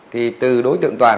thì từ đối tượng toàn